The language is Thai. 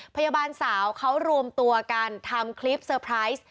พยาบาลสาวเขารวมตัวกันทำคลิปเตอร์ไพรส์